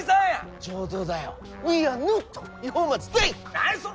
何やそれ！